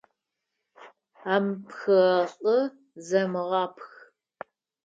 Амыпхыгъэ лӏы земыгъэпх.